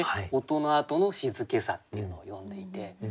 音のあとの静けさっていうのを詠んでいて。